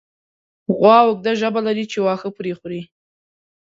غوا اوږده ژبه لري چې واښه پرې خوري.